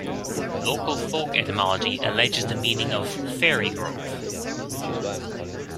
Local folk etymology alleges the meaning of "fairy grove".